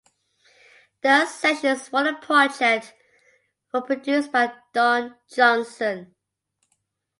The sessions for the project were produced by Don Johnson.